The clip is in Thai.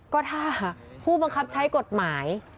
ก็ถ้าผู้บังคับใช้กฎหมาย